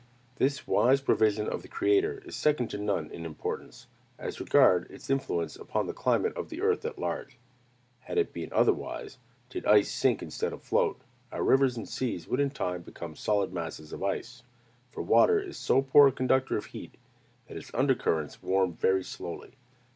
This wise provision of the Creator is second to none in importance, as regards its influence upon the climate of the earth at large. Had it been otherwise did ice sink instead of float, our rivers and seas would in time become solid masses of ice; for water is so poor a conductor of heat, that its under currents warm very slowly.